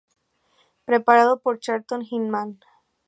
Preparado por Charlton Hinman.